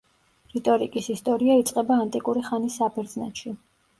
რიტორიკის ისტორია იწყება ანტიკური ხანის საბერძნეთში.